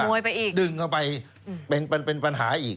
ขโมยไปอีกดึงเข้าไปเป็นปัญหาอีกอ๋อ